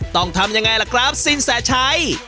ต้องทำยังไงล่ะครับสินแสชัย